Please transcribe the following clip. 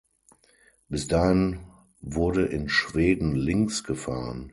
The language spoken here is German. Bis dahin wurde in Schweden links gefahren.